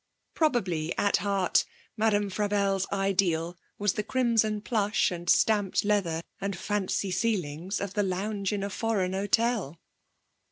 Probably at heart Madame Frabelle's ideal was the crimson plush and stamped leather and fancy ceilings of the lounge in a foreign hotel.